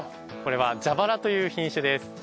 これはジャバラという品種です。